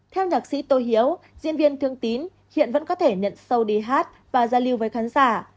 theo nhạc sĩ tô hiếu diễn viên thương tín hiện vẫn có thể nhận sâu đi hát và giao lưu với khán giả